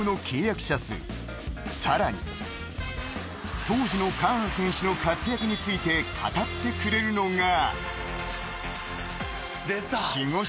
［さらに当時のカーン選手の活躍について語ってくれるのが］